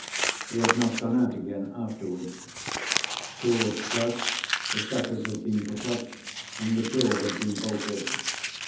He had not gone out again afterwards. Towards dusk, the shutters had been put up, and the doors had been bolted.